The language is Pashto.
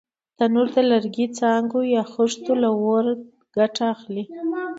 تنور د لرګي، څانګو یا خښتو له اوره ګټه اخلي